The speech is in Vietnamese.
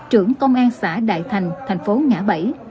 trưởng công an xã đại thành thành phố ngã bảy